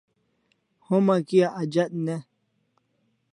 Homa Kia ajat ne